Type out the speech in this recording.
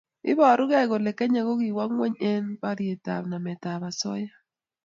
Iborukei kole Kenya kokikowo ngweny eng borietap nametab osoya